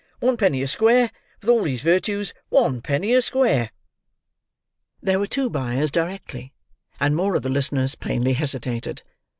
One penny a square. With all these virtues, one penny a square!" There were two buyers directly, and more of the listeners plainly hesitated.